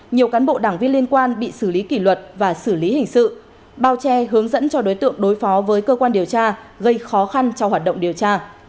nhiều cán bộ đảng viên liên quan bị xử lý kỷ luật và xử lý hình sự bao che hướng dẫn cho đối tượng đối phó với cơ quan điều tra gây khó khăn cho hoạt động điều tra